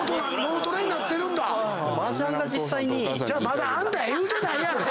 まだあんたや言うてないやろ！